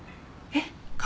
えっ？